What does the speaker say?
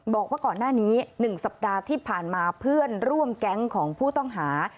บอกว่าก่อนหน้านี้๑สัปดาห์ที่ผ่านมาเพื่อนร่วมแก๊งของผู้ต้องหา